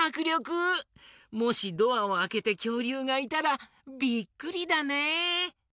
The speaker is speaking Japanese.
もしドアをあけてきょうりゅうがいたらびっくりだね。